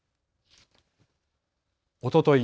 おととい